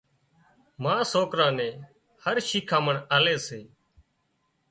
ما سوڪري نين هر شيکانمڻ آلي سي